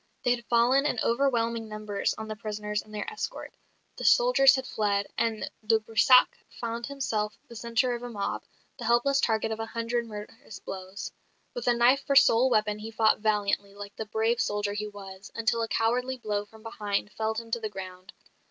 They had fallen in overwhelming numbers on the prisoners and their escort; the soldiers had fled; and de Brissac found himself the centre of a mob, the helpless target of a hundred murderous blows. With a knife for sole weapon he fought valiantly, like the brave soldier he was, until a cowardly blow from behind felled him to the ground.